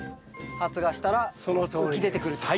発芽したら浮き出てくると。